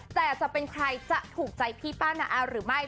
แต่จะเป็นใครจะถูกใจพี่ป้านาแอร์หรือไม่